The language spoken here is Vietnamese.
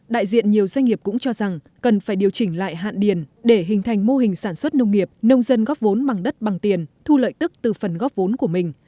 đại diện nhiều doanh nghiệp cũng cho rằng cần phải điều chỉnh lại hạn điền để hình thành mô hình sản xuất nông nghiệp nông dân góp vốn bằng đất bằng tiền thu lợi tức từ phần góp vốn của mình